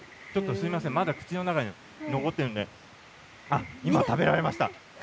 すみません、まだ口の中に残っているので今、食べられました。